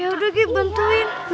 yaudah gi bantuin